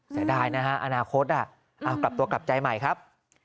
เสียดายนะฮะอนาคตกลับตัวกลับใจใหม่ครับ